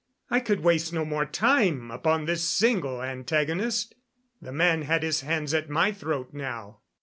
I could waste no more time upon this single antagonist. The man had his hands at my throat now.